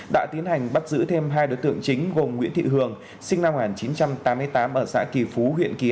đặc biệt chú trọng xây dựng